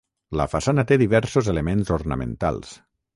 La façana té diversos elements ornamentals.